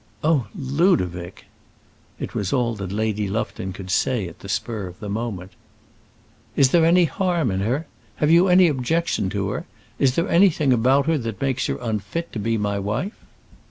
"Oh, Ludovic!" It was all that Lady Lufton could say at the spur of the moment. "Is there any harm in her? Have you any objection to her? Is there anything about her that makes her unfit to be my wife?"